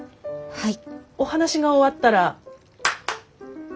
・はい！